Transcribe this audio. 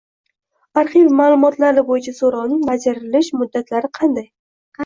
Arxiv ma’lumotlari bo‘yicha so‘rovning bajarilish muddatlari qanday?